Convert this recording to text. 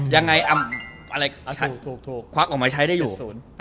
ยังไงอะไรถูกควักออกมาใช้ได้อยู่